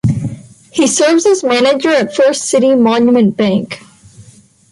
He serves as manager at First City Monument Bank.